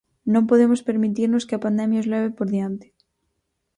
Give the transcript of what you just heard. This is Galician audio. Non podemos permitirnos que a pandemia os leve por diante.